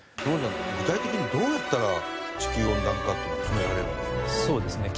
具体的にどうやったら地球温暖化っていうのは止められるんでしょうか？